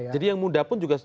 jadi yang muda pun juga